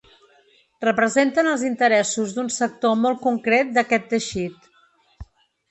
Representen els interessos d’un sector molt concret d’aquest teixit.